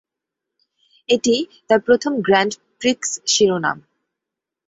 এটি তার প্রথম গ্র্যান্ড প্রিক্স শিরোনাম।